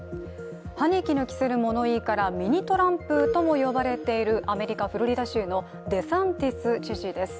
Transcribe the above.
歯に衣着せぬ物言いからミニ・トランプとも言われているアメリカ・フロリダ州のデサンティス知事です。